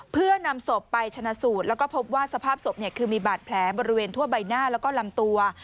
เพื่อนำศพไปชนะสูตรแล้วก็พบว่าสภาพศพคือมีบาดแผลบริเวณทั่วใบหน้าแล้วก็ลำตัว